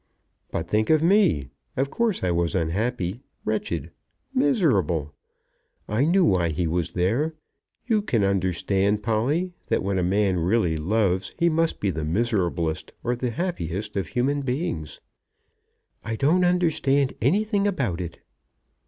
"But think of me. Of course I was unhappy, wretched, miserable. I knew why he was there. You can understand, Polly, that when a man really loves he must be the miserablest or the happiest of human beings." "I don't understand anything about it."